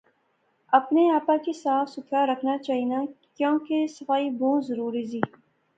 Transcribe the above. اپنے آپا کی صاف ستھرا رکھنا چاینا کیاں کے صفائی بہوں ضروری زی